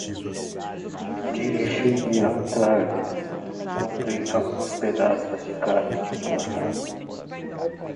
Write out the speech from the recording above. Dirigi-me ao talho. Comprei alguns pedaços de carne de porco.